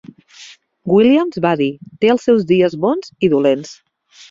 Williams va dir: "Té els seus dies bons i dolents".